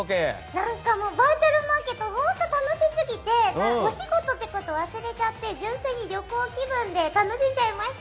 何か、バーチャルマーケット本当楽しすぎてお仕事ってことを忘れちゃって、純粋に旅行気分で楽しんじゃいました！